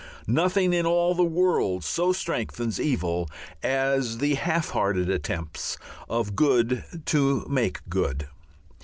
Nothing in all the world so strengthens evil as the half hearted attempts of good to make good.